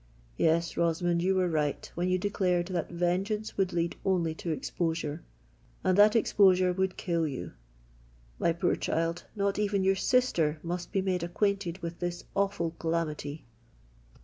Yes,—Rosamond, you were right when you declared that vengeance would lead only to exposure; and that exposure would kill you. My poor child, not even your sister must be made acquainted with this awful calamity."